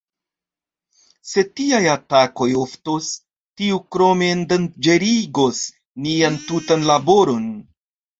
Se tiaj atakoj oftos, tio krome endanĝerigos nian tutan laboron.